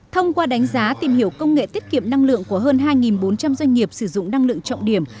thông qua đánh giá tìm hiểu công nghệ tiết kiệm năng lượng của hơn hai bốn trăm linh doanh nghiệp sử dụng năng lượng trọng điểm